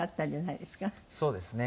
そうですね。